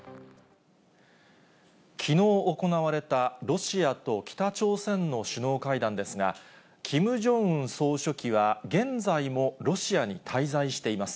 きのう、行われたロシアと北朝鮮の首脳会談ですが、キム・ジョンウン総書記は、現在もロシアに滞在しています。